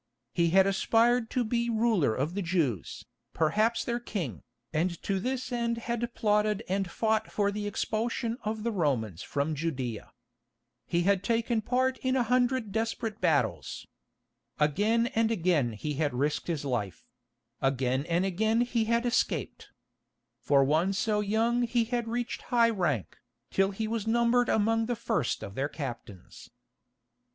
He had aspired to be ruler of the Jews, perhaps their king, and to this end had plotted and fought for the expulsion of the Romans from Judæa. He had taken part in a hundred desperate battles. Again and again he had risked his life; again and again he had escaped. For one so young he had reached high rank, till he was numbered among the first of their captains.